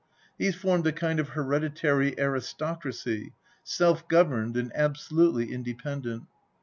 These formed a kind of hereditary aristocracy, self governed, and absolutely independent.